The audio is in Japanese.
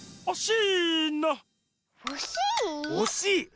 おしい？